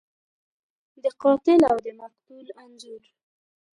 د قاتل او د مقتول انځور